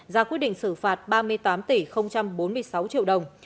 ra quyết định xử phạt ba mươi tám tỷ bốn mươi sáu triệu đồng